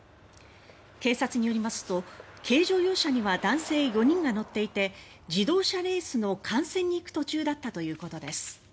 警察によりますと軽乗用車には男性４人が乗っていて自動車レースの観戦に行く途中だったということです。